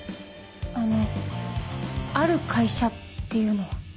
あのある会社っていうのは？